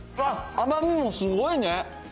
甘みもすごいね。